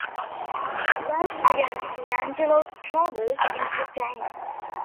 Thus begins Di Angelo's troubles in Britain.